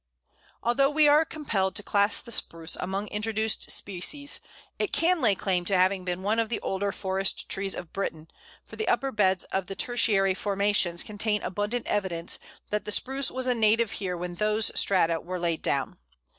Although we are compelled to class the Spruce among introduced species, it can lay claim to have been one of the older forest trees of Britain, for the upper beds of the Tertiary formations contain abundant evidence that the Spruce was a native here when those strata were laid down.